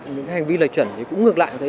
những cái hành vi lợi chuẩn thì cũng ngược lại